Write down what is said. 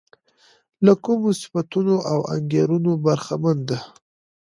له کومو صفتونو او انګېرنو برخمنه ده.